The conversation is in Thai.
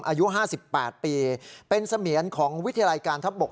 อายุ๕๘ปีเป็นเสมียนของวิทยาลัยการทับบก